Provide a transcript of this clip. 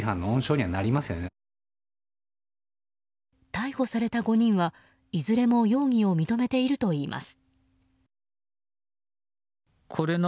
逮捕された５人はいずれも容疑を認めているといいます。